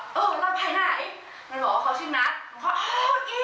หนูก็บอกว่าเขาชื่อนักหนูก็โอเคจริงหนูก็เรียกว่าหนูค่ะ